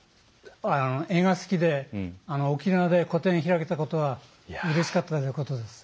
絵が好きで沖縄で個展開けたことはうれしかったことです。